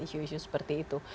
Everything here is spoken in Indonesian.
isu isu seperti itu